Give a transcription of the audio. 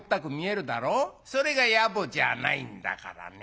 それが野暮じゃないんだからね。